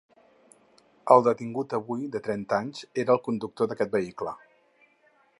El detingut avui, de trenta anys, era el conductor d’aquest vehicle.